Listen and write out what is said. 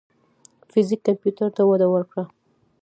فزیک کمپیوټر ته وده ورکړه.